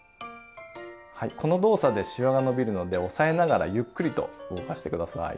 はいこの動作でしわが伸びるので押さえながらゆっくりと動かして下さい。